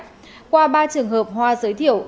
hoa phải hoàn lại tiền sau ba tháng nếu không nhập cảnh được